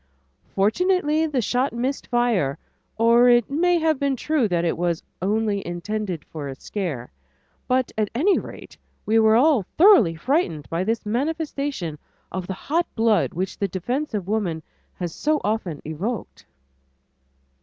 Fortunately the shot missed fire, or it may have been true that it was "only intended for a scare," but at any rate, we were all thoroughly frightened by this manifestation of the hot blood which the defense of woman has so often evoked.